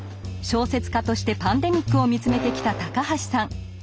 小説家としてパンデミックを見つめてきた高橋さん。